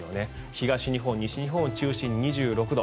東日本、西日本を中心に２６度。